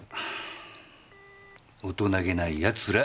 大人気ない奴ら。